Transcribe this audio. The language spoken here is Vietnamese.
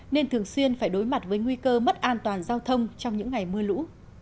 nên thường xuyên phải đối mặt với nguy cơ mất an toàn giao thông trong những ngày mưa lũ